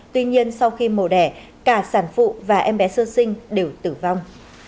tuy nhiên sau khi mổ đẻ cả sản phụ và em bé sơ sinh đều tử vong